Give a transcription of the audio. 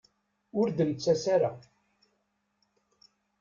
Ur d-nettas ara.